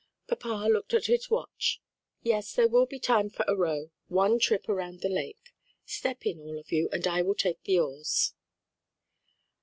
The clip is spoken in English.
Papa looked at his watch, "Yes, there will be time for a row; one trip around the lake. Step in, all of you, and I will take the oars."